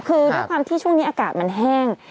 คือด้วยความที่ช่วงนี้อากาศมันแห้ง